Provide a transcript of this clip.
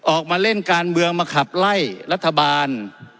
ออกมาเล่นการเมืองมาขับไล่รัฐบาล